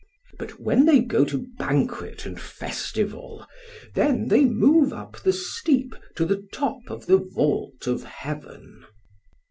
But when they go to banquet and festival, then they move up the steep to the top of the vault of heaven.